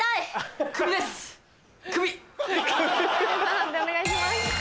判定お願いします。